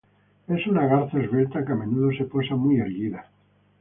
Es una garza esbelta que a menudo se posa muy erguida.